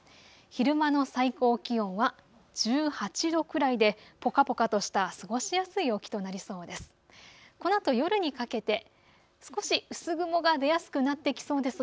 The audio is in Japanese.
昼間の最高気温は１８度くらいでぽかぽかとした過ごしやすい陽気となりそうです。